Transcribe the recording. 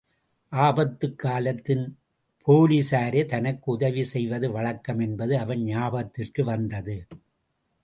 ஆபத்துக் காலத்தின் போலிஸாரே தனக்கு உதவி செய்வது வழக்கம் என்பது அவன் ஞாபகத்திற்கு வந்தது.